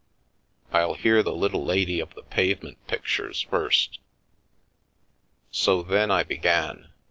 Ill hear the little lady of the pavement pictures first. ,, So then I began.